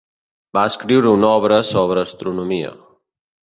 Va escriure una obra sobre astronomia.